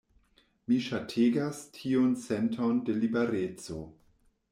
Mi ŝategas tiun senton de libereco.